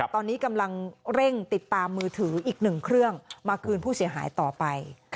ตอนนี้กำลังเร่งติดตามมือถืออีกหนึ่งเครื่องมาคืนผู้เสียหายต่อไป